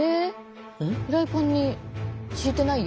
フライパンにしいてないよ？